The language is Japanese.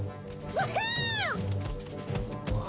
わあ。